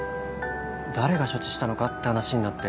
誰が処置したのかって話になって。